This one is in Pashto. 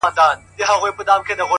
• ويل كښېنه د كور مخي ته جنجال دئ ,